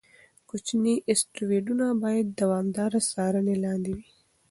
کوچني اسټروېډونه باید د دوامداره څارنې لاندې وي.